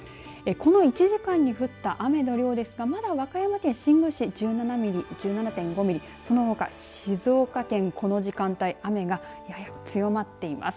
この１時間に降った雨の量ですがまだ和歌山県新宮市１７ミリ１７．５ミリそのほか静岡県、この時間帯やや雨が強まっています。